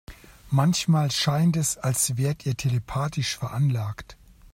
Manchmal scheint es, als wärt ihr telepathisch veranlagt.